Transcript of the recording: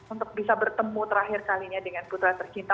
untuk bisa bertemu terakhir kalinya dengan putra tercinta